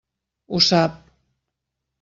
Ho sap.